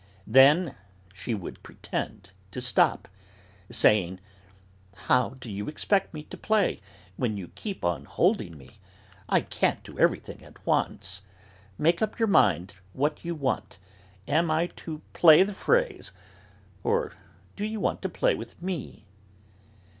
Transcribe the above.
Then she would pretend to stop, saying: "How do you expect me to play when you keep on holding me? I can't do everything at once. Make up your mind what you want; am I to play the phrase or do you want to play with me?"